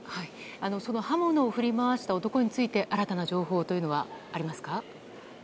その刃物を振り回した男について新たな情報はありますか？